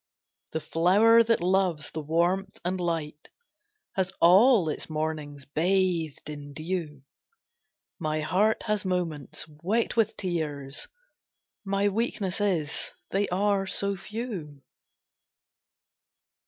The flower that loves the warmth and light, Has all its mornings bathed in dew; My heart has moments wet with tears, My weakness is they are so few.